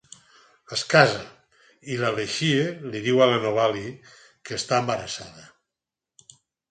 Es case, i la Lexie li diu a la Novalee que està embarassada.